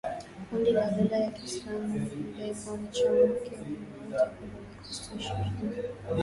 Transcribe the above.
Kundi la dola ya Kiislamu lilidai kuwa wanachama wake waliwauwa takribani wakristo ishirini na kuchoma moto malori sita